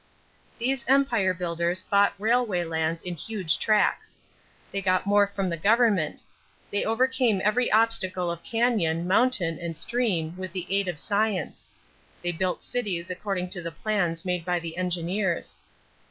These empire builders bought railway lands in huge tracts; they got more from the government; they overcame every obstacle of cañon, mountain, and stream with the aid of science; they built cities according to the plans made by the engineers.